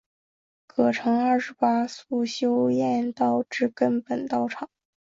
葛城二十八宿修验道之根本道场。